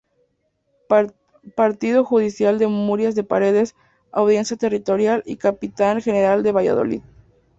Partido judicial de Murias de Paredes; audiencia territorial y capitanía general de Valladolid.